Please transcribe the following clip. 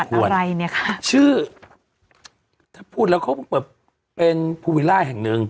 จังหวัดอะไรเนี่ยครับชื่อถ้าพูดแล้วเขาเป็นภูวิลล่าแห่งนึง